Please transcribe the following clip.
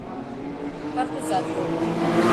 Картузат йок.